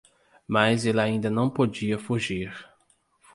Mas ele ainda não podia fugir.